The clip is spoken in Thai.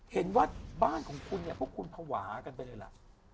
เห็นว่าบ้านของคุณเนี่ยพวกคุณภาวะกันไปเลยล่ะ